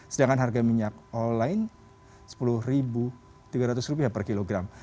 sedangkan harga minyak online rp sepuluh tiga ratus per kilogram